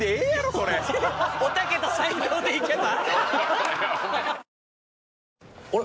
おたけと斉藤で行けば。